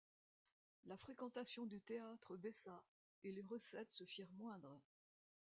La fréquentation du théâtre baissa et les recettes se firent moindres.